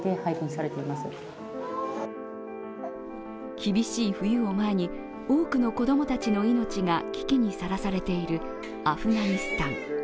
厳しい冬を前に、多くの子供たちの命が危機にさらされているアフガニスタン。